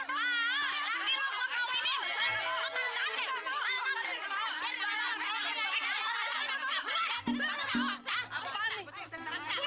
suaminya saya kerubatin ya